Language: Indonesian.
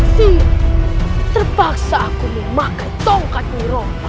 sial terpaksa aku memakai tongkatku